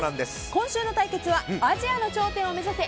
今週の対決はアジアの頂点を目指せ！